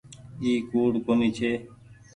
اي ڪوڙ ڪونيٚ ڇي۔